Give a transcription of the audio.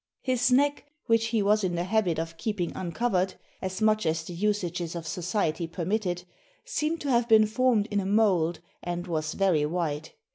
His neck, which he was in the habit of keeping uncovered as much as the usages of society permitted, seemed to have been formed in a mould, and was very white.